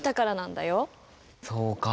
そうか。